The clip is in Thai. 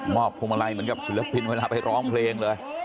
พวงมาลัยเหมือนกับศิลปินเวลาไปร้องเพลงเลย